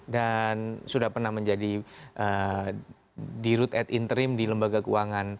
dan sudah pernah menjadi di root at interim di lembaga keuangan